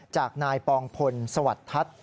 จากนายปองพลสวัสดิ์ทัศน์